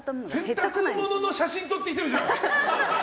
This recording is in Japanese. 洗濯物の写真撮ってきてるじゃん！